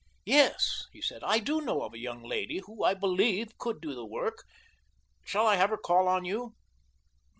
"Yes," he said, "I do know of a young lady who, I believe, could do the work. Shall I have her call on you?"